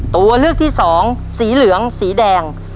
ตัวเลือกที่สองสีเหลืองสีแดง